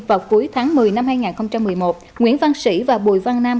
vào cuối tháng một mươi năm hai nghìn một mươi một nguyễn văn sĩ và bùi văn nam